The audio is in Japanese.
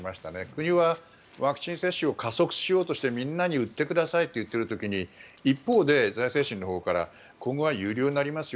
国はワクチン接種を加速しようとしてみんなに打ってくださいと言っている時は一方で財政審のほうから今後は有料になります